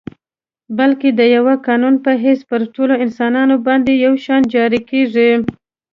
بلکه د یوه قانون په حیث پر ټولو انسانانو باندي یو شان جاري کیږي.